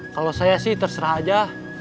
kalau saya sih terserah aja